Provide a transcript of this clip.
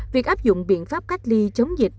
việc áp dụng biện pháp cách ly chống dịch